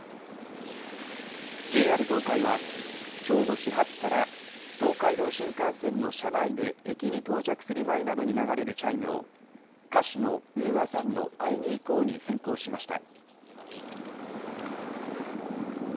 ＪＲ東海はきょうの始発から東海道新幹線の車内で駅に到着する前などに流れるチャイムを歌手のＵＡさんの会いにいこうに変更しました。